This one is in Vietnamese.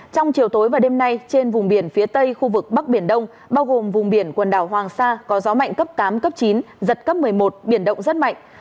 trong chiều tối và đêm nay trên vùng biển phía tây khu vực bắc biển đông bao gồm vùng biển quần đảo hoàng sa có gió mạnh cấp tám cấp chín giật cấp một mươi một biển động rất mạnh